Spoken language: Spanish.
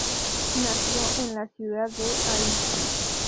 Nació en la ciudad de Aichi.